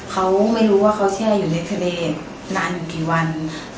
เขาไม่รู้ว่าเขาเชื่ออยู่ในทะเลนานอยู่กี่วัน